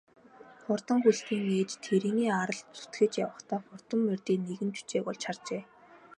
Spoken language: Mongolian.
Хурдан хөлтийн ээж тэрэгний аралд зүтгэж явахдаа хурдан морьдын нэгэн жүчээг олж харжээ.